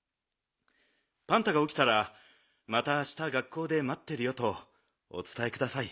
パンタがおきたらまたあした学校でまってるよとおつたえください。